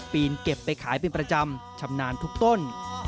ปีนเก็บไปขายเป็นประจำชำนาญทุกต้น